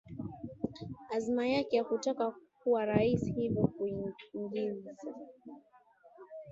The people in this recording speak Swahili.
azma yake ya kutaka kuwa rais hivyo kuiingiza